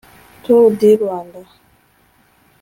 Tour du Rwanda